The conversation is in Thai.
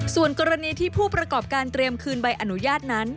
ส่วนกรณีที่ผู้ประกอบการเตรียมคืนใบอนุญาตนั้น